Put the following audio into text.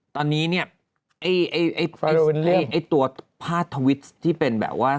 ตอนนี้เนี่ยไอ้ตัวพาดทวิตที่เป็นแบบว่า